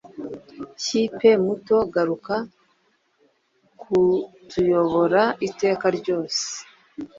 hipe, muto, garuka kutuyobora iteka ryose